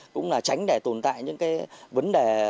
cũng là tránh để tồn tại những vấn đề